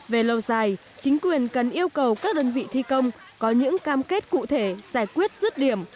về lâu dài chính quyền cần yêu cầu các đơn vị thi công có những cam kết cụ thể giải quyết rứt điểm